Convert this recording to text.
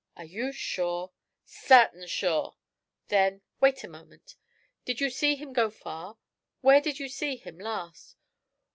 'Are you sure?' 'Sartin sure!' 'Then wait one moment. Did you see him go far? Where did you see him last?'